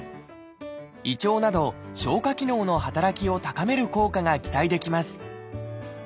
胃腸など消化機能の働きを高める効果が期待できます。